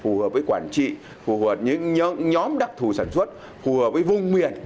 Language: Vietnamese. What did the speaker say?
phù hợp với quản trị phù hợp với nhóm đặc thù sản xuất phù hợp với vùng miền